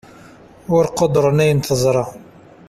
ur quddren ayen teẓṛa